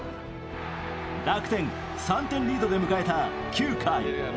楽天３点リードで迎えた９回。